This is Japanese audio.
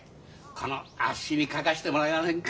このあっしに書かしてもらえませんか？